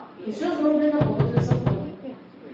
Усё зроблена паводле закону.